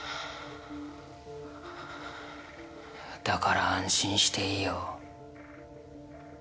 だから安心していいよ。